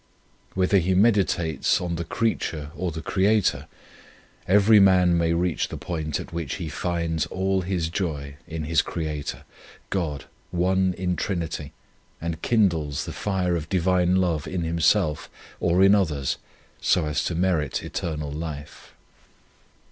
Whether he meditates on the creature or the Creator, every man may reach the point at which he finds all his joy in His Creator, God, One in Trinity, and kindles the fire of Divine love in himself or in others, so as to merit eternal life.